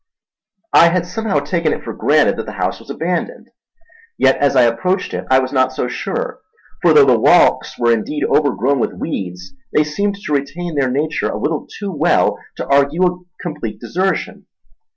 I had somehow taken it for granted that the house was abandoned, yet as I approached it I was not so sure; for though the walks were indeed overgrown with weeds, they seemed to retain their nature a little too well to argue complete desertion.